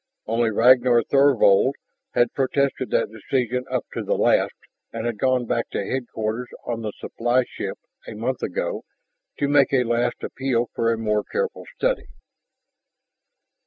Only Ragnar Thorvald had protested that decision up to the last and had gone back to headquarters on the supply ship a month ago to make a last appeal for a more careful study.